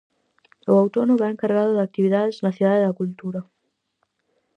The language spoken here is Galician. O outono vén cargado de actividades na Cidade da Cultura.